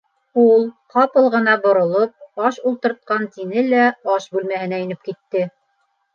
Ул, ҡапыл ғына боролоп: - Аш ултыртҡан, - тине лә аш бүлмәһенә инеп китте.